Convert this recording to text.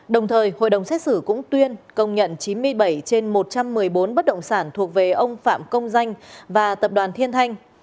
đồng thời hội đồng xét xử cũng tuyên công nhận chín mươi bảy trên một trăm một mươi bốn bất động sản thuộc về ông phạm công danh và tập đoàn thiên thanh